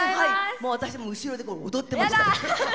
私も後ろで踊ってました。